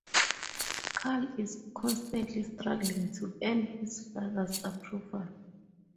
Cal is constantly struggling to earn his father's approval.